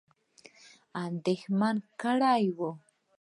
اندېښمن کړي وه.